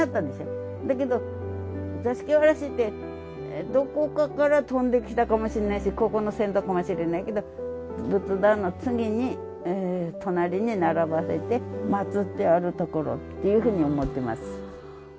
だけどざしきわらしってどこかから飛んできたかもしれないしここの先祖かもしれないけど仏壇の次に隣に並ばせてまつってあるところっていうふうに思ってます。